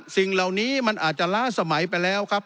สิ่งเหล่านี้มันอาจจะล้าสมัยไปแล้วครับ